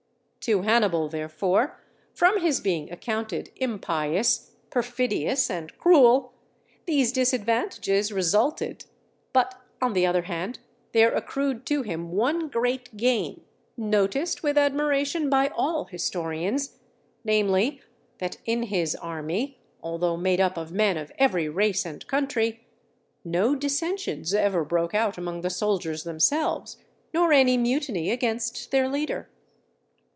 To Hannibal, therefore, from his being accounted impious, perfidious, and cruel, these disadvantages resulted; but, on the other hand, there accrued to him one great gain, noticed with admiration by all historians, namely, that in his army, although made up of men of every race and country, no dissensions ever broke out among the soldiers themselves, nor any mutiny against their leader.